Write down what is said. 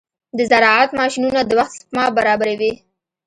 د زراعت ماشينونه د وخت سپما برابروي.